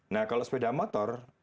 nah kalau sepeda motor